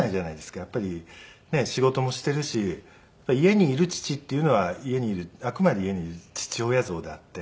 やっぱりねえ仕事もしているし家にいる父っていうのは家にいるあくまで家にいる父親像であって。